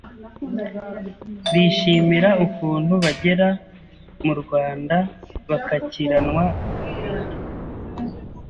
bishimira ukuntu bagera mu Rwanda bakakiranwa urugwiro